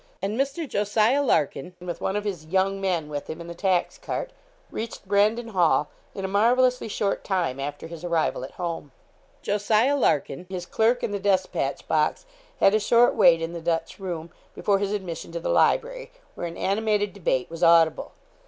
And Mr. Jos. Larkin, with one of his 'young men' with him in the tax cart, reached Brandon Hall in a marvellously short time after his arrival at home. Jos. Larkin, his clerk, and the despatch box, had a short wait in the Dutch room, before his admission to the library, where an animated debate was audible.